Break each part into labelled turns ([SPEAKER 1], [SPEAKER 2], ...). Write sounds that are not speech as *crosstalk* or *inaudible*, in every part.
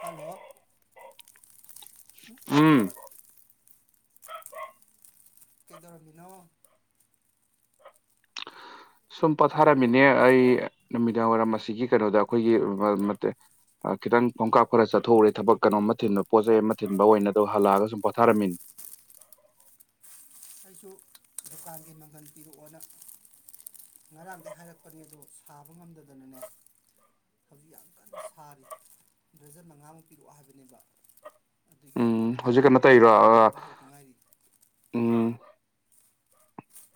[SPEAKER 1] Hello
[SPEAKER 2] ꯎꯝ
[SPEAKER 1] ꯀꯩꯗꯧꯔꯝꯃꯤꯅꯣ
[SPEAKER 2] ꯁꯨꯝ ꯄꯣꯊꯥꯔꯝꯃꯤꯅꯦ ꯑꯩ ꯅꯨꯃꯤꯗꯥꯡ ꯋꯥꯏꯔꯝ ꯑꯁꯤꯒꯤ ꯀꯩꯅꯣꯗ ꯑꯩꯈꯣꯏꯒꯤ *unintelligible* ꯈꯤꯇꯪ ꯈꯣꯡꯀꯥꯞ ꯈꯔ ꯆꯠꯊꯣꯛꯎꯔꯦ ꯊꯕꯛ ꯀꯩꯅꯣ ꯑꯃ ꯊꯤꯟꯕ ꯄꯣꯠ ꯆꯩ ꯑꯃ ꯊꯤꯟꯕ ꯑꯣꯏꯅ ꯑꯗ‌ꯣ ꯍꯜꯂꯛꯑꯒ ꯁꯨꯝ ꯄꯣꯊꯥꯔꯝꯃꯤꯅ‌ꯦ
[SPEAKER 1] ꯑꯩꯁꯨ ꯗꯨꯀꯥꯟꯒꯤ ꯃꯪꯒꯟ ꯄꯤꯔꯛꯑꯣꯅ ꯉꯔꯥꯡꯗꯩ ꯍꯥꯏꯔꯛꯄꯅꯦ ꯗꯣ ꯁꯥꯕ ꯉꯝꯗꯗꯅꯅꯦ ꯍꯧꯖꯤꯛ ꯌꯥꯝ ꯀꯟꯅ ꯁꯥꯔꯤ ꯗꯔꯖꯟ ꯃꯉꯥꯃꯨꯛ ꯄꯤꯔꯛꯑꯣ ꯍꯥꯏꯕꯅꯦꯕ ꯑꯗꯨꯒꯤ
[SPEAKER 2] ꯎꯝ
[SPEAKER 1] ꯃꯪꯀꯟ
[SPEAKER 2] ꯍꯧꯖꯤꯛ ꯀꯩꯅꯣ
[SPEAKER 1] ꯇꯣꯠꯄ
[SPEAKER 2] ꯇꯧꯔꯤꯔꯣ
[SPEAKER 1] ꯂꯣꯏꯔꯒ ꯍꯥꯟꯕ ꯍꯧꯗ ꯉꯥꯏꯔꯤ
[SPEAKER 2] ꯎꯝ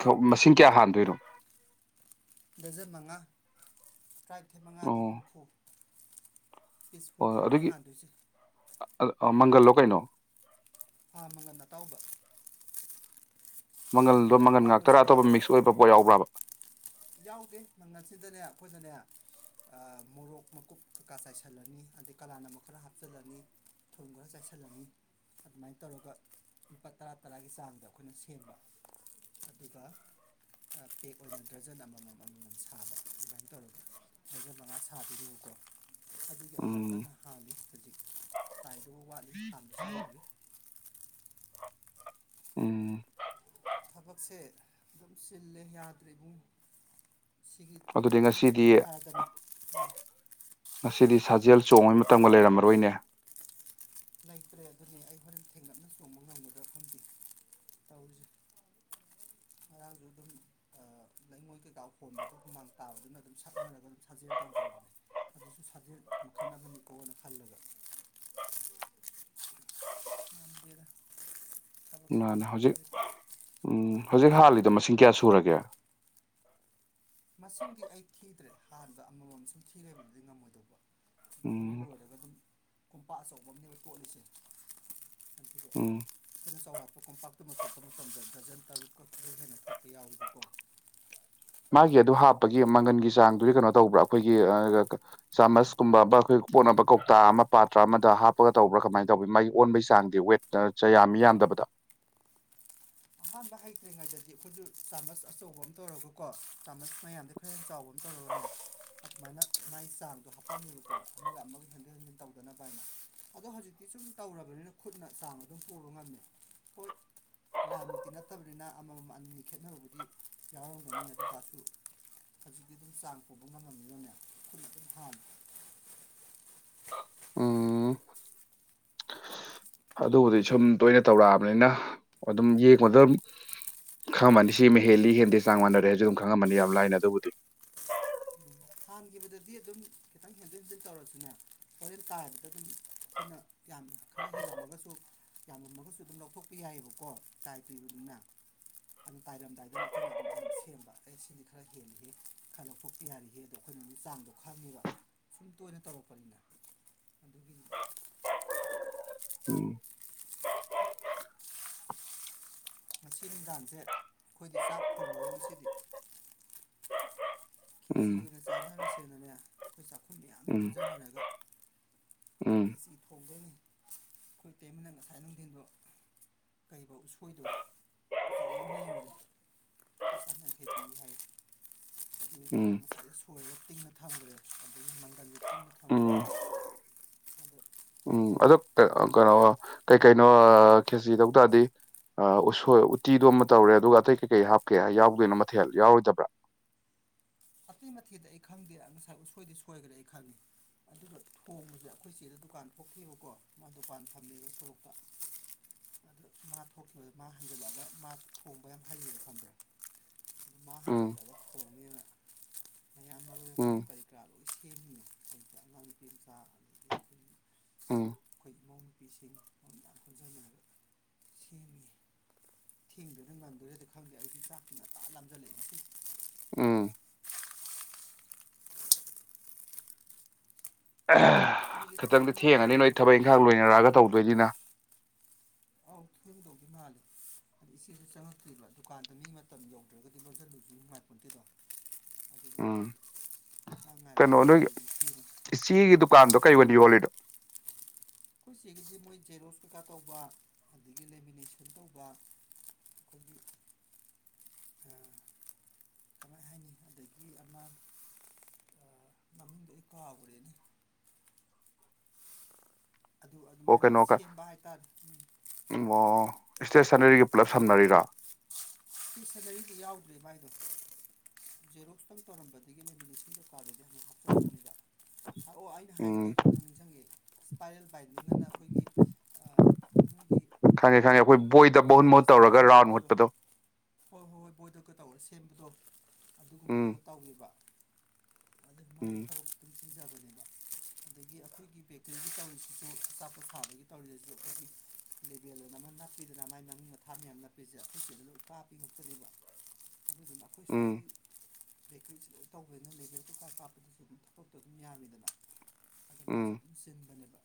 [SPEAKER 2] *unintelligible* ꯃꯁꯤꯡ ꯀꯌꯥ ꯍꯥꯟꯗꯣꯏꯅꯣ
[SPEAKER 1] ꯗꯔꯖꯟ ꯃꯉꯥ ꯇꯔꯥꯅꯤꯊꯣꯏ ꯃꯉꯥꯗꯤ
[SPEAKER 2] ꯑꯣ
[SPEAKER 1] ꯍꯨꯝꯐꯨ ꯄꯤꯁ ꯍꯨꯨꯝꯐꯨꯅꯤ ꯍꯥꯟꯗꯣꯏꯁꯦ
[SPEAKER 2] ꯑꯥ ꯑꯥ ꯃꯪꯒꯟꯂꯣ ꯀꯩꯅꯣ
[SPEAKER 1] ꯑꯥ ꯃꯪꯒꯟ ꯑꯇꯥꯎꯕ
[SPEAKER 2] ꯃꯪꯒꯜꯗꯣ
[SPEAKER 1] ꯃꯪꯒꯟ
[SPEAKER 2] ꯃꯉꯟ ꯉꯥꯛꯇꯥꯔꯥ
[SPEAKER 1] ꯑꯇꯥꯎꯕꯁꯤꯗ
[SPEAKER 2] ꯑꯇꯣꯞꯄ ꯃꯤꯛꯁ ꯑꯣꯏꯕ ꯄꯣꯠ ꯌꯥꯎꯕ꯭ꯔꯥꯕ
[SPEAKER 1] ꯌꯥꯎꯗꯦ ꯃꯪꯒꯜꯁꯤꯗꯅꯦ ꯑꯩꯈꯣꯏꯅꯅꯦ ꯑ ꯃꯣꯔꯣꯛ ꯃꯀꯨꯞ ꯀꯥ ꯆꯥꯏꯁꯤꯜꯂꯅꯤ ꯑꯗꯩ ꯀꯂꯥ ꯅꯤꯃꯛ ꯈꯔ ꯍꯥꯞꯆꯤꯜꯂꯅꯤ ꯊꯨꯝ ꯈꯔꯥ ꯆꯥꯏꯁꯤꯜꯂꯅꯤ ꯑꯗꯨꯃꯥꯏꯅ ꯇꯧꯔꯒ ꯂꯨꯄꯥ ꯇꯔꯥ ꯇꯔꯥꯒꯤ ꯆꯥꯡꯗ ꯑꯩꯈꯣꯏꯅ ꯁꯦꯝꯕ ꯑꯗꯨꯒ ꯑ ꯄꯦꯛ ꯑꯣꯏꯅ ꯗꯔꯖꯟ ꯑꯃꯃꯝ ꯑꯃꯃꯝ ꯁꯥꯕ ꯑꯗꯨꯃꯥꯏꯅ ꯇꯧꯔꯒ ꯗꯖꯟ ꯃꯉꯥ ꯁꯥꯗꯣꯏꯅꯦꯕꯀꯣ ꯑꯗꯨꯒꯤ ꯑꯩ ꯌꯥꯝ
[SPEAKER 2] ꯎꯝ
[SPEAKER 1] ꯀꯟꯅ ꯍꯥꯜꯂꯤ ꯍꯧꯖꯤꯛ ꯇꯥꯏꯗꯧꯕ ꯋꯥꯠꯂꯤ ꯍꯥꯟꯕꯁꯨ ꯂꯣꯏꯗ꯭ꯔꯤ
[SPEAKER 2] ꯎꯝ
[SPEAKER 1] ꯊꯕꯛꯁꯦ ꯑꯗꯨꯝ ꯆꯤꯜꯂꯦ ꯌꯥꯗ꯭ꯔꯦ ꯏꯕꯨꯡꯉꯣ ꯁꯤꯒꯤ
[SPEAKER 2] ꯑꯗꯨꯗꯤ
[SPEAKER 1] ꯕꯦꯀꯔꯤꯒꯤ
[SPEAKER 2] ꯉꯁꯤꯗꯤ
[SPEAKER 1] ꯊꯕꯛ ꯍꯥꯏꯔꯦꯗꯅ
[SPEAKER 2] ꯉꯁꯤꯗꯤ ꯁꯥꯖꯦꯜ ꯆꯣꯡꯕꯩ ꯃꯇꯝꯒ ꯂꯩꯔꯝꯃꯔꯣꯏꯅꯦ
[SPEAKER 1] ꯂꯩꯇ꯭ꯔꯦ ꯑꯗꯨꯅꯦ ꯑꯩ ꯍꯣꯔꯦꯟ ꯊꯦꯡꯂꯞꯅ ꯆꯣꯡꯕ ꯉꯝꯒꯗ꯭ꯔꯥ ꯈꯪꯗꯦ ꯇꯧꯔꯤꯁꯦ ꯉꯔꯥꯡꯁꯨ ꯗꯨꯝ ꯑ ꯂꯩꯉꯣꯏ ꯀꯩꯀꯥ ꯍꯣꯟꯕꯗꯨ ꯍꯨꯃꯥꯡ ꯇꯥꯕꯗꯨꯅ ꯑꯗꯨꯝ ꯁꯛꯅꯔꯒ ꯑꯗꯨꯝ ꯁꯥꯖꯦꯜ ꯇꯧꯗ꯭ꯔꯕꯅꯤ ꯑꯗꯨꯁꯨ ꯁꯥꯖꯦꯜ ꯃꯈꯜ ꯑꯃꯅꯤꯀꯣꯅ ꯈꯜꯂꯒ ꯉꯝꯗꯦꯗ ꯊꯕꯛꯁꯤꯅ
[SPEAKER 2] ꯃꯥꯅꯦ ꯍꯧꯖꯤꯛ
[SPEAKER 1] ꯌꯥꯗꯦꯗꯥ ꯍꯦꯛꯇꯥ
[SPEAKER 2] ꯎꯝ ꯍꯧꯖꯤꯛ ꯍꯥꯜꯂꯤꯗ ꯃꯁꯤꯡ ꯀꯌꯥ ꯁꯨꯔꯒꯦ
[SPEAKER 1] ꯃꯁꯤꯡꯗꯤ ꯑꯩ ꯊꯤꯗ꯭ꯔꯦ ꯍꯥꯟꯕ ꯑꯃꯃꯝ ꯁꯨꯝ ꯊꯤꯂꯩꯕꯗꯨꯗꯤ ꯉꯝꯃꯣꯏꯗꯧꯕ ꯍꯣꯔꯦꯟ
[SPEAKER 2] ꯎꯝ
[SPEAKER 1] ꯂꯣꯏꯔꯒ ꯑꯗꯨꯝ ꯀꯣꯝꯄꯥꯛ ꯑꯆꯧꯕ ꯑꯝꯅꯦꯕ ꯇꯣꯠꯂꯤꯁꯦ
[SPEAKER 2] ꯎꯝ
[SPEAKER 1] *unintelligible* ꯈꯔ ꯆꯥꯎꯔꯥꯛꯄ ꯀꯣꯝꯄꯥꯛꯇꯨꯃ ꯆꯣꯠꯄ ꯃꯇꯝꯗ ꯗꯔꯖꯟ ꯇꯔꯨꯛꯀ ꯈꯔ ꯍꯦꯟꯅ ꯊꯣꯛꯄ ꯌꯥꯎꯔꯤꯕꯀꯣ
[SPEAKER 2] ꯃꯥꯒꯤ ꯑꯗꯨ ꯍꯥꯞꯄꯒꯤ ꯃꯪꯒꯟꯒꯤ ꯆꯥꯡꯗꯨꯗꯤ ꯀꯩꯅꯣ ꯇꯧꯕ꯭ꯔꯥ ꯑꯩꯈꯣꯏꯒꯤ ꯑ ꯆꯥꯃꯁꯀꯨꯝꯕꯄ ꯑꯩꯈꯣꯏ ꯀꯣꯠꯅꯕ ꯀꯧꯇꯥ ꯑꯃ ꯄꯥꯇ꯭ꯔ ꯑꯃꯗ ꯍꯥꯞꯄꯒ ꯇꯧꯕ꯭ꯔꯥ ꯀꯃꯥꯏꯅ ꯇꯧꯕꯤ ꯃꯥꯒꯤ ꯑꯣꯟꯕꯒꯤ ꯆꯥꯡꯗꯤ ꯋꯦꯠ ꯆ ꯌꯥꯝꯃꯤ ꯌꯥꯝꯗꯕꯗ
[SPEAKER 1] ꯑꯍꯥꯟꯕ ꯍꯩꯇ꯭ꯔꯤꯉꯩꯗꯗꯤ ꯑꯩꯈꯣꯏꯁꯨ ꯆꯥꯃꯁ ꯑꯆꯧꯕ ꯑꯃ ꯇꯧꯔꯒꯀꯣ ꯆꯥꯃꯁ ꯃꯌꯥꯝꯗ ꯍ ꯆꯥꯎꯕꯅ ꯇꯧꯔꯒꯅꯦ ꯑꯗꯨꯃꯥꯏꯅ ꯃꯥꯒꯤ ꯆꯥꯡꯗꯣ ꯍꯥꯞꯄꯝꯃꯤꯕꯀꯣ ꯑꯃꯒ ꯑꯃꯒ ꯍꯦꯟꯖꯤꯟ ꯍꯦꯟꯖꯤꯟ ꯇꯧꯗꯅꯕ ꯍꯥꯏꯅ ꯑꯗꯣ ꯍꯧꯖꯤꯛꯇꯤ ꯁꯨꯝ ꯇꯧꯔꯕꯅꯤꯅ ꯈꯨꯠꯅ ꯆꯥꯡ ꯑꯗꯨꯝ ꯄꯨꯕ ꯉꯝꯃꯦ ꯍꯣꯏ ꯂꯥꯏꯃꯛꯇꯤ ꯅꯠꯇꯕꯅꯤꯅ ꯑꯃꯃꯝ ꯑꯅꯤꯅꯤ ꯈꯦꯠꯅꯕꯕꯨꯗꯤ ꯌꯥꯎꯔꯝꯒꯅꯤ ꯑꯗꯨ ꯇꯁꯨ ꯍꯧꯖꯤꯛꯇꯤ ꯑꯗꯨꯝ ꯆꯥꯡ ꯄꯨꯕ ꯉꯝꯃꯝꯃꯤꯅꯅꯦ ꯈꯨꯠ ꯑꯗꯨꯝ ꯍꯥꯡ
[SPEAKER 2] ꯎꯝ
[SPEAKER 1] *unintelligible*
[SPEAKER 2] ꯑꯗꯨꯕꯨꯗꯤ ꯁꯨꯝ ꯇꯣꯏꯅ ꯇꯧꯔꯛꯑꯕꯅꯤꯅ ꯑꯗꯨꯝ ꯌꯦꯡꯕꯗꯝ ꯈꯪꯉꯝꯃꯅꯤ ꯁꯤꯃ ꯍꯦꯜꯂꯤ ꯍꯦꯟꯗꯦ ꯆꯥꯡ ꯃꯥꯟꯅꯔꯦꯁꯨ ꯑꯗꯨꯝ ꯈꯪꯉꯝꯃꯅꯤ ꯌꯥꯝ ꯂꯥꯏꯅ ꯑꯗꯨꯕꯨꯗꯤ
[SPEAKER 1] ꯍꯥꯟꯈꯤꯕꯗꯗꯤ ꯑꯗꯨꯝ ꯈꯤꯇꯪ ꯍꯦꯟꯖꯤꯟ ꯍꯦꯟꯖꯤꯟ ꯇꯧꯔꯁꯤꯅ ꯍꯣꯔꯦꯟ ꯇꯥꯏꯕꯗ ꯑꯗꯨꯝ ꯑꯩꯈꯣꯏꯅ ꯌꯥꯝ ꯈꯔ ꯍꯦꯜꯂꯝꯃꯒꯁꯨ ꯌꯥꯝꯃꯝꯃꯒꯁꯨ ꯑꯗꯨꯝ ꯂꯧꯊꯣꯛꯄ ꯌꯥꯏꯑꯕꯀꯣ ꯇꯥꯏꯗ꯭ꯔꯤꯕꯅꯤꯅ ꯑꯗꯨ ꯇꯥꯏꯔꯝꯗꯥꯏꯗꯅ ꯑꯩꯈꯣꯏꯅ ꯑꯗꯨꯝ ꯑꯃꯨꯛ ꯁꯦꯝꯕ ꯑꯦ ꯁꯤꯗꯤ ꯈꯔ ꯍꯦꯜꯂꯤꯍꯦ ꯈꯔ ꯂꯧꯊꯣꯛꯄ ꯌꯥꯔꯤꯍꯦ ꯑꯗꯣ ꯑꯩꯈꯣꯏꯅ ꯆꯥꯡꯗꯣ ꯈꯪꯉꯦꯕ ꯁꯨꯝ ꯇꯣꯏꯅ ꯇꯧꯔꯛꯄꯅꯤꯅ ꯑꯗꯨꯒꯤꯅꯤꯅ
[SPEAKER 2] ꯎꯝ
[SPEAKER 1] ꯉꯁꯤ ꯅꯨꯡꯗꯥꯡꯁꯦ ꯑꯩꯈꯣꯏꯗꯤ ꯆꯥꯛ ꯊꯣꯡꯉꯔꯣꯏ ꯉꯁꯤꯗꯤ ꯈꯦꯆ꯭ꯔꯤ
[SPEAKER 2] ꯎꯝ
[SPEAKER 1] ꯑꯣꯏꯅ ꯆꯥꯅꯔꯁꯦꯅꯅꯦ ꯑꯩꯈꯣꯏ ꯆꯥꯛꯈꯨꯝ ꯃꯌꯥꯝꯅ ꯄꯨꯟꯁꯤꯟꯅꯔꯒ
[SPEAKER 2] ꯎꯝ
[SPEAKER 1] ꯈꯦꯆꯤ ꯊꯣꯡꯗꯣꯏꯅꯤ ꯑꯩꯈꯣꯏ ꯏꯇꯩꯃꯅ ꯉꯁꯥꯏ ꯅꯨꯡꯗꯤꯟꯗꯣ ꯀꯩꯕ ꯎꯁꯣꯏꯗꯣ ꯑꯆꯧꯕ ꯑꯃ ꯂꯩꯔꯨꯔꯦ ꯇꯁꯔꯅ ꯈꯦꯇꯤ ꯍꯥꯏ ꯑꯗꯨ
[SPEAKER 2] ꯎꯝ
[SPEAKER 1] ꯇꯧꯔꯒ ꯉꯁꯥꯏꯗ ꯁꯣꯏꯒ ꯇꯤꯡꯅ ꯊꯝꯈ꯭ꯔꯦ ꯑꯗꯒꯤ ꯃꯪꯒꯜꯗ ꯇꯤꯡꯅ
[SPEAKER 2] ꯎꯝ
[SPEAKER 1] ꯊꯝꯈ꯭ꯔꯦ
[SPEAKER 2] ꯎꯝ
[SPEAKER 1] ꯈꯨꯖꯤꯛ
[SPEAKER 2] ꯑꯗꯨꯛ ꯀꯩꯅꯣ ꯀꯩ ꯀꯩꯅꯣ ꯈꯦꯁꯤ ꯇꯧ ꯇꯥꯔꯗꯤ ꯑ ꯎꯁꯣꯏ ꯎꯇꯤꯗꯣ ꯑꯃ ꯇꯧꯔꯦ ꯑꯗꯨꯒ ꯑꯇꯩ ꯀꯩꯀꯩ ꯍꯥꯞꯀꯦ ꯌꯥꯎꯗꯣꯏꯅꯣ ꯃꯊꯦꯜ ꯌꯥꯎꯔꯣꯏꯗꯕ꯭ꯔꯥ
[SPEAKER 1] ꯑꯇꯩ ꯃꯊꯦꯜꯗꯤ ꯑꯩ ꯈꯪꯗꯦ ꯉꯁꯥꯏ ꯎꯁꯣꯏꯗꯤ ꯁꯣꯏꯈ꯭ꯔꯦ ꯑꯩ ꯈꯪꯉꯦ ꯑꯗꯨꯒ ꯊꯣꯡꯕꯁꯦ ꯑꯩꯈꯣꯏ ꯆꯦꯗ ꯗꯨꯀꯥꯟ ꯊꯣꯛꯈꯤꯑꯦꯕꯀꯣ ꯃꯥ ꯗꯨꯀꯥꯟ ꯐꯝꯃꯦꯕ ꯁꯣꯔꯣꯛꯇ ꯑꯗꯨ ꯃꯥ ꯊꯣꯛꯈꯤꯕꯗ ꯃꯥ ꯍꯟꯖꯤꯜꯂꯛꯑꯒ ꯃꯥ ꯊꯣꯡꯕ ꯌꯥꯝ ꯍꯩꯌꯦꯕ ꯈꯪꯕ꯭ꯔꯥ꯫ ꯃꯥ
[SPEAKER 2] ꯎꯝ
[SPEAKER 1] ꯍꯟꯖꯤꯜꯂꯛꯑꯒ ꯊꯣꯡꯅꯤꯅ꯫ ꯃꯌꯥꯝ ꯃꯔꯣꯏ ꯃꯄꯥꯡ
[SPEAKER 2] ꯎꯝ
[SPEAKER 1] ꯀꯔꯤ ꯀꯔꯥ ꯂꯣꯏ ꯁꯦꯝꯃꯤ ꯑꯩ ꯑꯉꯥꯡ ꯅꯨꯄꯤ ꯃꯆꯥ ꯑꯃꯒ ꯑꯩꯈꯣꯏ꯫
[SPEAKER 2] ꯎꯝ
[SPEAKER 1] ꯑꯩꯈꯣꯏ ꯏꯃꯧ ꯅꯨꯨꯄꯤꯁꯤꯡ ꯃꯃꯌꯥꯝ ꯄꯨꯟꯁꯤꯟꯅꯕ꯫ ꯁꯦꯝꯃꯤ꯫ ꯊꯦꯡꯗꯣꯏꫪ ꯉꯪꯗꯣꯏꯔꯗꯤ ꯈꯪꯗꯦ ꯑꯩꯗꯤ ꯆꯥꯛ ꯇꯤ ꯉꯟꯇ ꯂꯥꯝꯖꯤꯜꯂꯛꯑꯦ ꯉꯁꯤ꯫
[SPEAKER 2] ꯎꯝ꯫ ꯑꯃꯥ
[SPEAKER 1] ꯅꯣꯏꯒꯤ
[SPEAKER 2] ꯈꯤꯇꯪꯗꯤ
[SPEAKER 1] ꯅꯣꯏꯒꯤ
[SPEAKER 2] ꯊꯦꯡꯉꯅꯤ ꯅꯣꯏ
[SPEAKER 1] ꯊꯣꯡꯈ꯭ꯔꯕꯣ
[SPEAKER 2] ꯊꯕꯛ ꯏꯪꯈꯥꯡ ꯂꯣꯏꯅꯔꯛꯑꯒ ꯇꯧꯗꯣꯏꯅꯤꯅ꯫
[SPEAKER 1] ꯑꯧ ꯊꯦꯡꯗꯧꯗꯤ ꯃꯥꯜꯂꯦ ꯏꯆꯦꯁꯨ ꯆꯪꯉꯛꯇ꯭ꯔꯤꯕ ꯗꯨꯀꯥꯟꯗ ꯃꯤ ꯃꯇꯝ ꯌꯧ꯫ ꯅꯠꯇ꯭ꯔꯒꯗꯤ ꯂꯣꯟꯖꯤꯟꯕꯁꯨ ꯅꯨꯡꯉꯥꯏꯄꯣꯟꯇꯦꯗꯣ꯫ ꯑꯗꯨꯗꯤ
[SPEAKER 2] ꯎꯝ
[SPEAKER 1] ꯃꯥꯅꯦ ꯃꯤ ꯉꯥꯏꯕ
[SPEAKER 2] ꯀꯩꯅꯣ ꯅꯣꯏꯒꯤ
[SPEAKER 1] ꯇꯜꯂꯦ ꯊꯤꯔꯨ꯫
[SPEAKER 2] ꯏꯆꯦꯒꯤ ꯗꯨꯀꯥꯟꯗꯣ ꯀꯩ ꯑꯣꯏꯅꯤ ꯌꯣꯜꯂꯤꯅꯣ꯫
[SPEAKER 1] ꯑꯩꯈꯣꯏ ꯆꯦꯡꯒꯤꯁꯦ ꯃꯣꯏ ꯖꯦꯔꯣꯛꯁ ꯀꯩꯀꯥ ꯇꯧꯕ ꯑꯗꯒꯤ ꯂꯦꯃꯤꯅꯦꯁꯟ ꯇꯧꯕ꯫ ꯀꯕꯤ꯫ ꯑ ꯀꯃꯥꯏꯅ ꯍꯥꯏꯗꯣꯏꯅꯣ ꯑꯗꯒꯤ ꯑꯃ꯫ ꯃꯃꯤꯡꯗꯨ ꯑꯩ ꯀꯥꯎꯒ꯭ꯔꯦꯗ꯫ ꯑꯗꯨ
[SPEAKER 2] ꯑꯣ
[SPEAKER 1] ꯑꯗꯨꯃꯥꯏꯅ
[SPEAKER 2] ꯀꯩꯅꯣ ꯀ-
[SPEAKER 1] ꯁꯦꯝꯕ ꯍꯥꯏꯇꯥꯔꯦ꯫
[SPEAKER 2] ꯑꯣ ꯏꯁꯇꯦꯁꯟꯅꯔꯤꯒ ꯄꯨꯂꯞ ꯁꯝꯅꯔꯤꯔꯣ꯫
[SPEAKER 1] ꯏꯁꯇꯦꯁꯟꯅꯔꯤꯗꯤ ꯌꯥꯎꯗ꯭ꯔꯤꯌꯦ ꯃꯥꯏꯗꯣ꯫ ꯖꯦꯔꯣꯛꯁꯇꯪ ꯇꯧꯔꯝꯕꯗꯒꯤ ꯗꯨꯀꯥꯟ ꯑꯣꯏꯅ ꯍꯥ꯫ ꯆꯤꯟꯕꯅꯦꯕ ꯍꯥꯏꯥꯛ ꯑꯣꯑꯣ ꯑꯩꯅ ꯍꯥꯏꯒꯗ
[SPEAKER 2] ꯎꯝ
[SPEAKER 1] ꯇꯧꯔꯤꯁꯦ ꯑꯃꯅꯤ ꯅꯤꯡꯁꯤꯡꯪꯉꯦ ꯁ꯭ꯄꯥꯏꯔꯦꯜ ꯄꯥꯏꯅꯤꯡꯉꯅ ꯑꯩꯈꯣꯏꯒꯤ ꯈꯨꯗꯝꯪꯒꯤ
[SPEAKER 2] ꯈꯪꯉꯦ ꯈꯪꯉꯦ ꯑꯩꯈꯣꯏ ꯕꯣꯏꯗ ꯃꯍꯣꯨꯟ ꯃ ꯃꯍꯨꯠ ꯇꯧꯔꯒ
[SPEAKER 1] ꯌꯥꯝ ꯇꯧꯕꯗꯣ
[SPEAKER 2] ꯔꯥꯎꯟꯨꯠꯄꯗꯣ
[SPEAKER 1] ꯍꯣꯏ ꯍꯣꯏ ꯍꯣꯏ ꯕꯣꯏꯗꯒ ꯇꯧꯔꯦ ꯁꯦꯝꯕꯗꯣ
[SPEAKER 2] ꯎꯝ
[SPEAKER 1] ꯑꯗꯨꯒꯨꯝꯕꯒꯗꯣ ꯇꯧꯅꯦꯕ ꯑ ꯃꯥꯒꯤ
[SPEAKER 2] ꯎꯝ
[SPEAKER 1] ꯊꯕꯛꯛꯇꯨꯁꯤꯖꯕꯅꯦꯕ ꯑꯗꯒꯤ ꯑꯩꯈꯣꯏꯒꯤ ꯕꯦꯀꯔꯤꯒꯤ ꯇꯧꯔꯤꯁꯤꯁꯨ ꯑꯆꯥꯄꯣꯠ ꯊꯥꯕꯒꯤ ꯇꯧꯔꯤꯗꯁꯨ ꯍꯧꯈꯖꯤꯛ ꯂꯦꯕꯦꯜ ꯑꯣꯏꯅ ꯑꯃ ꯅꯞꯄꯤꯗꯅ ꯃꯥꯏ ꯃꯃꯤꯡ ꯃꯊꯥ ꯃꯌꯥꯝ ꯅꯞꯄꯤꯁꯦ ꯑꯩꯈꯣꯏꯒꯤꯗꯅ ꯂꯄꯥ ꯄꯉꯛꯇꯅꯦꯕ ꯑꯗꯨꯗꯨꯅ ꯑꯩꯈꯣꯏ
[SPEAKER 2] ꯎꯝ
[SPEAKER 1] ꯁ꯭ꯋꯥꯏꯒꯤ ꯕꯦꯀꯔꯤꯁꯤ ꯂꯣꯏ ꯇꯧꯕꯅꯤꯅ ꯂꯩꯦꯕꯔ ꯄꯩꯁꯥ ꯀꯥꯞꯄꯗꯁꯨ ꯑꯗꯨꯝ ꯊꯕꯛꯇ ꯑꯗꯨꯝ ꯌꯥꯝꯃꯤꯗꯅ ꯑꯗꯣ ꯃꯥꯁꯨ
[SPEAKER 2] ꯎꯝ
[SPEAKER 1] ꯑꯗꯨꯝ ꯁꯤꯟꯕꯅꯦꯕ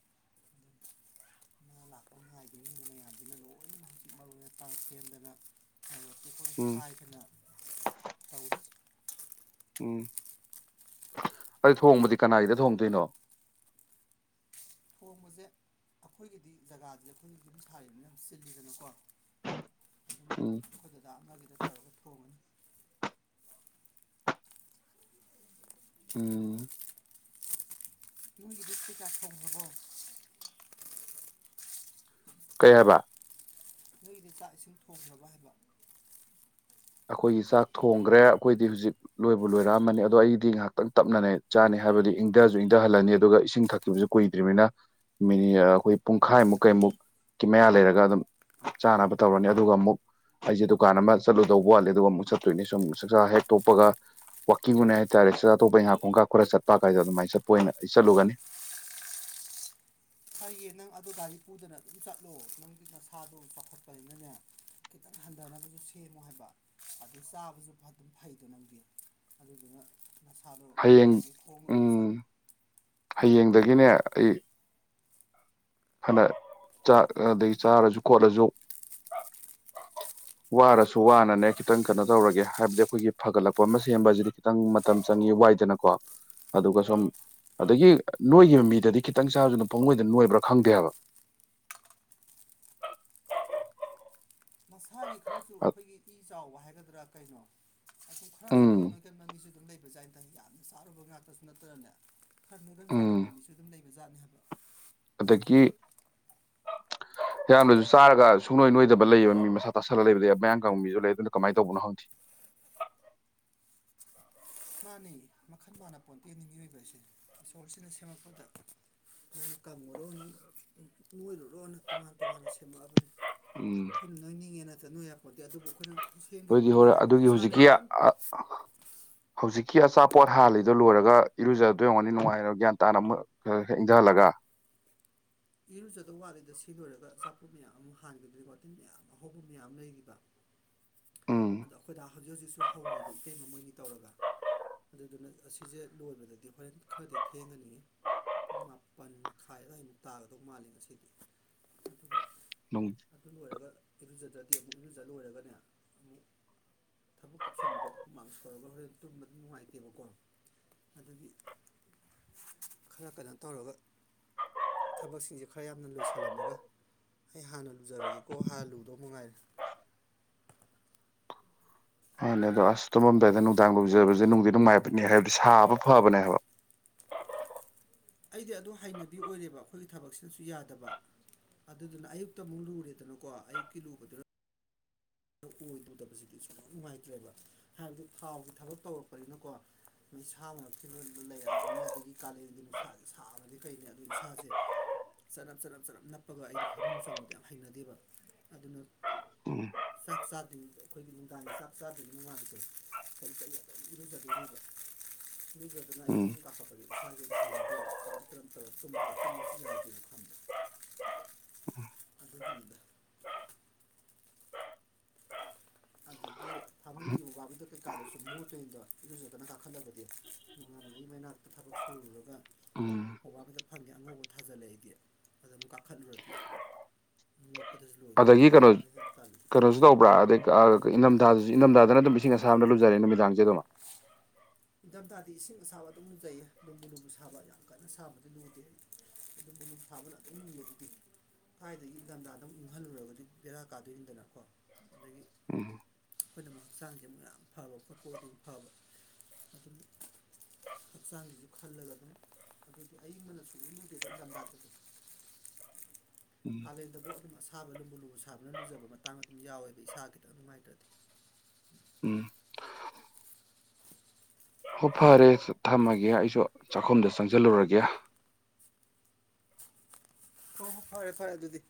[SPEAKER 1] ꯉꯥ ꯂꯥꯛꯄ ꯉꯥꯏꯗꯅꯤꯡꯕ ꯃꯌꯥꯝꯁꯤꯅ ꯂꯣꯏꯅꯃꯛ ꯍꯧꯖꯤꯛ ꯃꯔꯨ ꯃꯄꯥꯡ ꯁꯦꯝꯗꯅ ꯍꯥꯏꯕꯗꯤ ꯑꯩꯈꯣꯏ
[SPEAKER 2] ꯎꯝ
[SPEAKER 1] ꯍꯥꯏꯗꯅ ꯇꯧꯔꯤ
[SPEAKER 2] ꯎꯝ ꯑꯗꯨ ꯊꯣꯡꯕꯗꯤ ꯀꯅꯥꯒꯤꯗ ꯊꯣꯡꯗꯣꯏꯅꯣ
[SPEAKER 1] ꯊꯣꯡꯕꯁꯦ ꯑꯩꯈꯣꯏꯒꯤꯗꯤ ꯖꯒꯥꯗꯤ ꯑꯩꯈꯣꯏꯒꯤꯗꯤ ꯑꯗꯨꯝ ꯁꯥꯔꯤꯕꯅꯤꯅ ꯌꯥꯝ ꯆꯤꯜꯂꯤꯗꯅꯀꯣ ꯑꯗꯨꯅ
[SPEAKER 2] ꯎꯝ
[SPEAKER 1] ꯑꯩꯈꯣꯏꯗ ꯂ ꯑꯃꯗ ꯇꯧꯔꯒ ꯊꯣꯡꯉꯅꯤ
[SPEAKER 2] ꯎꯝ
[SPEAKER 1] ꯒꯤꯗꯤ ꯀ ꯀ ꯊ ꯍꯕꯣ
[SPEAKER 2] ꯀꯩ ꯍꯥꯏꯕ
[SPEAKER 1] ꯅꯣꯏꯒꯤꯗꯤ ꯆꯥꯛ ꯏꯁꯤꯡ ꯊꯣꯡꯅꯕ ꯍꯥꯏꯕ
[SPEAKER 2] ꯑꯩꯈꯣꯏꯒꯤ ꯆꯥꯛ ꯊꯣꯡꯈ꯭ꯔꯦ ꯑꯩꯈꯣꯏꯗꯤ ꯍꯧꯖꯤꯛ ꯂꯣꯏꯕ ꯂꯣꯏꯔꯛꯑꯃꯅꯤ ꯑꯗꯣ ꯑꯩꯗꯤ ꯉꯥꯏꯍꯥꯛꯇꯪ ꯇꯞꯅꯅꯦ ꯆꯥꯅꯤ ꯍꯥꯏꯕꯗꯤ ꯏꯪꯊꯁꯨ ꯏꯪꯊꯍꯜꯂꯅꯤ ꯑꯗꯨꯒ ꯏꯁꯤꯡ ꯊꯛꯈꯤꯕꯁꯨ ꯀꯨꯏꯗ꯭ꯔꯤꯕꯅꯤꯅ ꯃꯤꯅꯤ ꯑꯩꯈꯣꯏ ꯄꯨꯡꯈꯥꯏꯃꯨꯛ ꯀꯩꯃꯨꯛ ꯀꯤ ꯃꯌꯥ ꯂꯩꯔꯒ ꯑꯗꯨꯝ ꯆꯥꯅꯕ ꯇꯧꯔꯅꯤ ꯑꯗꯨꯒ ꯑꯃꯨꯛ ꯑꯩꯁꯦ ꯗꯨꯀꯥꯟ ꯑꯃ ꯆꯠꯂꯨ ꯂꯧꯕ ꯋꯥꯠꯂꯦ ꯑꯗꯨꯒ ꯑꯃꯨꯛ ꯆꯠꯇꯣꯏꯅꯦ ꯁꯨꯝ ꯆꯛꯆꯥ ꯍꯦꯛ ꯊꯣꯛꯣꯛꯄꯒ ꯋꯥꯋꯀꯤꯡꯒꯅꯦ ꯍꯥꯏꯇꯥꯔꯦ ꯆꯠ ꯑꯇꯣꯞꯄ ꯍꯤꯈꯥꯛꯠꯣꯡꯥꯞ ꯈꯔ ꯆꯠꯄ ꯀꯥꯏꯗ ꯑꯗꯨꯃꯥꯏ ꯆꯠꯄ ꯑꯣꯏꯅ ꯑꯩ ꯆꯠꯂꯨꯒꯅꯤ
[SPEAKER 1] ꯐꯩꯌꯦ ꯅꯪ ꯑꯗꯨ ꯒꯥꯔꯤ ꯎꯗꯅ ꯑꯗꯨꯝ ꯆꯠꯂꯣ ꯅꯪꯒꯤ ꯅꯁꯥꯗꯣꯝ ꯄꯥꯈꯠꯄꯅꯤꯅꯅꯦ ꯈꯤꯇꯪ ꯍꯟꯊꯅꯕꯁꯨ ꯁꯦꯝꯃꯣ ꯍꯥꯏꯕ ꯑꯗꯨ ꯆꯥꯕꯁꯨ ꯑꯗꯨꯝ ꯐꯩꯗꯣ ꯅꯪꯗꯤ ꯑꯗꯨꯗꯨꯅ ꯃꯁꯥꯗꯣ
[SPEAKER 2] ꯍꯌꯦꯡ
[SPEAKER 1] ꯌꯥꯔꯤꯉꯩ ꯊꯣꯡ ꯑꯣꯏꯅ ꯆꯠꯂꯦ
[SPEAKER 2] ꯎꯝ ꯍꯌꯦꯡꯗꯒꯤꯅꯦ ꯑꯩ ꯐꯅ ꯆꯥꯛ ꯑꯗꯒꯤ ꯆꯥꯔꯁꯨ ꯈꯣꯠꯂꯁꯨ ꯋꯥꯔꯁꯨ ꯋꯥꯅꯅꯦ ꯈꯤꯇꯪ ꯀꯩꯅꯣ ꯇꯧꯔꯒꯦ ꯍꯥꯏꯕꯗꯤ ꯑꯩꯈꯣꯏꯒꯤ ꯐꯒꯠꯂꯛꯄ ꯑꯃ ꯁꯦꯝꯕꯁꯤꯗꯤ ꯈꯤꯇꯪ ꯃꯇꯝ ꯆꯪꯏ ꯋꯥꯏꯗꯅꯀꯣ ꯑꯗꯨꯒ ꯁꯣꯝ ꯑꯗꯒꯤ ꯅꯣꯏꯒꯤ ꯃꯤꯗꯗꯤ ꯈꯤꯇꯪ ꯆꯥꯔꯖꯅ ꯐꯣꯡꯡꯂꯣꯏꯗ ꯅꯣꯏꯕ꯭ꯔꯥ ꯈꯪꯗꯦꯕ
[SPEAKER 1] ꯃꯁꯥꯒꯤ ꯈꯔꯁꯨ ꯑꯩꯈꯣꯏꯒꯤ ꯏ ꯆꯥꯎꯕ ꯍꯥꯏꯒꯗ꯭ꯔꯥ ꯀꯩꯅꯣ ꯑꯗꯨ ꯈꯔꯁꯨ ꯑꯗꯨꯝ
[SPEAKER 2] ꯎꯝ
[SPEAKER 1] ꯅꯀꯟ ꯃꯃꯤꯁꯨ ꯑꯗꯨꯝ ꯂꯩꯕ ꯖꯥꯥꯏꯅ ꯇ ꯌꯥꯝꯅ ꯆꯥꯔꯨꯕ ꯉꯥꯛꯇꯁꯨ ꯅꯠꯇ꯭ꯔꯅꯦ ꯈꯔꯅ ꯑꯗꯨꯝ
[SPEAKER 2] ꯎꯝ
[SPEAKER 1] ꯆꯥꯎꯒꯟꯕ ꯃꯤꯁꯨ ꯑꯗꯨꯝ ꯂꯩꯕꯖꯥꯠꯅꯦ ꯍꯥꯏꯕ
[SPEAKER 2] ꯑꯗꯒꯤ
[SPEAKER 1] *unintelligible*
[SPEAKER 2] ꯍꯌꯥꯝꯅꯁꯨ ꯆꯥꯔꯒ ꯁꯨꯡꯂꯣꯏ ꯅꯣꯏꯗꯕ ꯂꯩꯕ ꯃꯤ ꯃꯁꯥ ꯇꯥꯁꯜꯂ ꯂꯩꯕ ꯃꯌꯥꯝ ꯀꯪꯕ ꯃꯤꯁꯨ ꯂꯩ ꯑꯗꯨꯅ ꯀꯃꯥꯏ ꯇꯧꯕꯅꯣ ꯍꯪꯗꯦ
[SPEAKER 1] ꯃꯥꯅꯤꯩ ꯃꯈꯜ ꯃꯥꯅ ꯄꯣꯟꯇꯦꯅꯤ ꯃꯤꯑꯣꯏꯕ ꯑꯁꯦ ꯏꯁꯣꯔꯁꯤꯅ ꯁꯦꯝꯃꯛꯄꯗ ꯅꯪ ꯀꯪꯉꯨꯔꯣ ꯅꯪ ꯂꯣꯏꯔꯨꯔꯣꯅꯪ ꯇꯣꯉꯥꯟ ꯇꯣꯉꯥꯟꯅ ꯁꯦꯝꯃꯛꯑꯕꯅꯤ
[SPEAKER 2] ꯎꯝ
[SPEAKER 1] ꯅꯣꯏꯅꯤꯡꯉꯦꯅ ꯆ ꯅꯣꯏ ꯍꯥꯏꯕ ꯄꯣꯠꯇꯤ ꯑꯗꯨꯕꯨ ꯑꯩꯈꯣꯏꯅ ꯑꯩꯈꯣꯏ ꯁꯦꯝꯈꯤꯕ
[SPEAKER 2] ꯑꯗꯨꯣꯏꯗꯤ
[SPEAKER 1] ꯑꯩꯈꯣꯏꯅ
[SPEAKER 2] ꯍꯔꯦ
[SPEAKER 1] ꯍꯥꯏꯕꯗꯤ
[SPEAKER 2] ꯑꯗꯨꯒꯤ
[SPEAKER 1] ꯏꯁꯥꯅ
[SPEAKER 2] ꯍꯧꯖꯤꯛꯀꯤ
[SPEAKER 1] ꯈꯤꯇꯪ
[SPEAKER 2] ꯍꯧꯖꯤꯛꯀꯤ ꯑꯆꯥꯄꯣꯠ ꯍꯥꯜꯂꯤꯗꯣ ꯂꯣꯏꯔꯒ ꯏꯔꯨꯖꯗꯣꯏꯔꯡꯉꯅꯤ ꯅꯨꯡꯉꯥꯏꯔꯣ ꯒ꯭ꯌꯥꯟ ꯇꯥꯅ ꯑꯃꯛ ꯏꯖꯂꯒ
[SPEAKER 1] ꯏꯔꯨꯖꯗꯕ ꯋꯥꯠꯂꯤꯗ ꯁꯤ ꯂꯣꯏꯔꯒ ꯑꯆꯥꯄꯣ ꯃꯌꯥꯝ ꯑꯃꯨ ꯍꯈꯤꯗ꯭ꯔꯤꯕꯀꯇꯤꯟ ꯃꯌꯥꯝ ꯑꯍꯧꯕ ꯃꯌꯥꯝ ꯂꯩꯈꯤꯕ
[SPEAKER 2] ꯎꯝ
[SPEAKER 1] ꯑꯗꯣ ꯑꯩꯈꯣꯏꯗ ꯍꯧꯖꯤꯛ ꯍꯧꯖꯤꯛꯁꯨ ꯍꯧꯔꯤꯕ ꯏꯇꯩ ꯃꯃꯣꯏꯅꯤ ꯇꯧꯔꯒ ꯑꯗꯨꯗꯨꯅ ꯑꯁꯤꯁꯦ ꯂꯣꯏꯕꯗꯗꯤ ꯍꯣꯔꯦꯟ ꯈꯔꯗꯤ ꯊꯦꯡꯍꯟꯜꯂꯤꯉꯤ ꯨꯡ ꯃꯥꯄꯜ ꯃꯈꯥꯏ ꯑꯗꯨꯋꯥꯏꯃꯨꯛ ꯇꯥꯒꯗꯧ ꯃꯥꯜꯂꯤ ꯉꯁꯤꯗꯤ ꯑꯗꯨꯒ
[SPEAKER 2] ꯅꯣꯡ
[SPEAKER 1] ꯑꯗꯨ ꯂꯣꯏꯔꯒ ꯏꯔꯨꯖꯗ꯭ꯔꯗꯤ ꯑꯃꯨꯛ ꯏꯔꯨꯖ ꯂꯣꯏꯔꯒꯅꯦ ꯑꯃꯨꯛ ꯊꯕꯛ ꯀꯨꯞꯁꯟꯕꯗꯨꯣꯃꯥꯡ ꯁꯧꯔꯒ ꯍꯣꯔꯦꯟ ꯇꯨꯝꯕꯗꯤ ꯅꯨꯡꯉꯥꯏꯇꯦꯕꯀꯣ ꯑꯗꯨꯗꯒꯤ ꯈꯔ ꯀꯩꯅꯣ ꯇꯧꯔꯒ ꯊꯕꯛꯁꯤꯡꯁꯦ ꯈꯔ ꯌꯥꯝꯅ ꯂꯣꯏꯁꯤꯜꯂꯝꯃꯒ ꯑꯩ ꯍꯥꯟꯅ ꯂꯨꯖꯔꯒꯦꯀꯣ ꯍꯥꯟꯅ ꯂꯨꯗꯧ ꯃꯉꯥꯏꯔꯦ
[SPEAKER 2] ꯍꯅꯦ ꯑꯗꯣ ꯑꯁ ꯇꯣꯝꯗꯥꯏꯗ ꯅꯨꯡꯗꯥꯡ ꯂꯧꯖꯕꯁꯦ ꯅꯨꯡꯗꯤ ꯅꯨꯡꯉꯥꯏꯕꯅꯤ ꯍꯥꯏꯕꯗꯤ ꯁꯥꯕ ꯐꯕꯅꯦ ꯍꯥꯏꯕ
[SPEAKER 1] ꯑꯩꯗꯤ ꯑꯗꯨ ꯍꯩꯅꯕꯤ ꯑꯣꯏꯔꯦꯕ ꯑꯩꯈꯣꯏꯒꯤ ꯊꯕꯛꯁꯤꯅꯁꯨ ꯌꯥꯗꯕ ꯑꯗꯨꯗꯨꯅ ꯑꯌꯨꯛꯇ ꯑꯃꯨꯛ ꯂꯨꯔꯦꯗꯅꯀꯣ ꯑꯌꯨꯛꯀꯤ ꯂꯨꯕꯗꯨꯅ ꯑꯣꯏꯔꯗꯕꯁꯤꯗꯤꯁꯨ ꯌꯥꯝ ꯅꯨꯡꯉꯥꯏꯇ꯭ꯔꯦꯕ ꯍꯥꯏꯕꯗꯤ ꯊꯥꯎꯁꯤ ꯊꯕꯛ ꯇꯧꯔꯛꯄꯅꯤꯅꯀꯣ ꯃꯣꯏ ꯁꯥ ꯉꯁꯤꯤ ꯂꯩꯔꯛꯑꯕꯅꯤꯅ ꯑꯗꯒꯤ ꯀꯥꯂꯦꯟꯒꯤ ꯅꯨꯡꯁꯥ ꯁꯥꯕꯗꯤ ꯀꯩꯅꯦ ꯑꯗꯨ ꯏꯁꯥꯁꯦ ꯆꯅꯞ ꯆꯅꯞ ꯆꯅꯞ ꯅꯞꯄꯒ ꯑꯩꯗꯤ ꯐꯃꯨꯡ ꯆꯪꯉꯨꯗ ꯌꯥꯝ ꯍꯩꯅꯗꯦꯕ ꯑꯗꯨꯅ
[SPEAKER 2] ꯎꯝ
[SPEAKER 1] ꯆꯥꯛ ꯆꯥꯗ꯭ꯅꯤ ꯑꯩꯈꯣꯏꯒꯤ ꯅꯨꯡꯗꯥꯡꯅꯤ ꯆꯥꯛ ꯆꯥꯗ꯭ꯣꯏꯅꯤ ꯅꯨꯡꯉꯥꯏꯇꯦ ꯀꯔꯤ ꯀ ꯑꯗꯨꯝ ꯏꯔꯨꯖꯕꯤꯅꯦꯕ ꯃꯤ ꯈꯗꯅ ꯑꯩꯈꯝ
[SPEAKER 2] ꯎꯝ
[SPEAKER 1] ꯀꯥꯈꯠꯄꯗ ꯏꯁꯥꯥꯁꯦꯅ ꯍꯩꯅꯗꯦꯕ ꯀꯔꯝ ꯀꯔꯝ ꯇꯧ ꯆꯨꯝꯕꯗ ꯆꯨꯝꯕꯁꯨ ꯌꯥꯗꯦꯅ ꯈꯟꯗꯣ ꯑꯗꯨꯒꯤꯅꯤꯗ ꯑꯗꯒꯤ ꯐꯃꯨꯡꯒꯤ ꯕꯥꯗꯨꯗ ꯀꯩꯀꯥꯗꯁꯨ ꯃꯣꯠꯇꯂꯣꯏꯔꯤꯅꯗꯣ ꯑꯗꯨꯁꯨ ꯀꯅ ꯀꯥꯈꯟꯗꯕꯗꯤ ꯅꯉꯥꯟꯅꯉꯩ ꯃꯅꯥꯛꯇ ꯊꯕꯛ ꯁꯨꯔꯨꯔꯒ
[SPEAKER 2] ꯎꯝ
[SPEAKER 1] ꯑꯕꯥꯕꯗ ꯐꯪꯗꯦ ꯑꯉꯧꯕ ꯊꯥꯖꯤꯜꯂꯛꯏꯗꯤ ꯑꯗꯨꯗ ꯑꯃꯨꯛ ꯀꯥꯈꯠꯂꯨꯔꯗꯤ ꯋꯥꯠꯄꯗꯁꯨ ꯂꯣꯏ
[SPEAKER 2] ꯑꯗꯒꯤ ꯀꯩꯅꯣ ꯀꯩꯅꯣꯁꯨ ꯇꯧꯕ꯭ꯔꯥ ꯑꯗꯩ ꯀ ꯏꯅꯝꯊꯥꯗ ꯏꯅꯝꯊꯥꯗꯅ ꯑꯗꯨꯝ ꯏ ꯑꯥꯕꯅ ꯂꯨꯖꯔꯦ ꯅꯨꯃꯤꯗꯥꯡꯦ ꯑꯗꯨꯝꯣ
[SPEAKER 1] ꯅꯤꯡꯊꯝꯊꯥꯗꯤ ꯏꯁꯤꯡ ꯑꯁꯥꯕ ꯑꯗꯨꯝꯖꯩꯌꯦ ꯅꯨꯡꯕꯨ ꯅꯨꯡꯕꯨ ꯁꯥꯕ ꯌꯥꯝ ꯀꯟꯅ ꯁꯥꯕꯗꯤ ꯂꯨꯗꯦ ꯑꯗꯨꯝ ꯁꯥꯥꯕ ꯂꯥꯛꯟꯅ ꯑꯗꯨꯗꯤ ꯊꯋꯥꯥꯏꯗꯒꯤ ꯒꯟꯗꯥ ꯑꯗꯨꯝ ꯏꯪꯍꯜꯂꯨꯔꯒꯗꯤ ꯕꯦꯔꯥ ꯀꯥꯗꯣꯏꯅꯤꯗꯅꯀꯣ ꯑꯗꯒꯤ
[SPEAKER 2] ꯎꯝ
[SPEAKER 1] ꯑꯩꯈꯣꯏꯅ ꯍꯛꯆꯥꯡꯁꯤ ꯑꯃꯨꯛ ꯌꯥꯝ ꯐꯕ ꯄꯣꯠꯄꯣꯗꯨ ꯐꯕ ꯑꯗꯨꯗꯤ ꯍꯛꯆꯥꯡꯁꯤꯁꯨ ꯈꯜꯂꯒ ꯑꯗꯨꯝ ꯑꯗꯨꯗꯤ ꯑꯩꯕꯅ ꯁꯨꯝ ꯂꯗꯦꯗ ꯑꯩ ꯂꯝꯗꯥꯇꯗꯤ *inaudible*
[SPEAKER 2] ꯎꯝ
[SPEAKER 1] ꯀꯥꯂꯦꯟꯗꯕꯨꯥꯎ ꯑꯗꯨꯝ ꯑꯁꯥꯕ ꯂꯨꯝꯕꯨ ꯂꯨꯕꯨ ꯁꯥꯕꯅ ꯂꯨꯖꯕ ꯃꯇꯥꯡ ꯑꯗꯨꯝ ꯌꯥꯎꯋꯦꯕ ꯏꯁꯥꯒꯤꯗ ꯅꯨꯡꯉꯥꯏꯇ꯭ꯔꯗꯤ
[SPEAKER 2] ꯎꯝ ꯍꯣ ꯐꯔꯦ ꯊꯝꯃꯒꯦ ꯑꯩꯁꯨ ꯆꯥꯛꯈꯨꯝꯗ ꯆꯪꯁꯤꯜꯂꯨꯔꯒꯦ
[SPEAKER 1] ꯍ ꯍꯣ ꯐꯔꯦ ꯐꯔꯦ ꯑꯗꯨꯗꯤ